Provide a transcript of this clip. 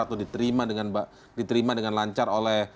atau diterima dengan lancar oleh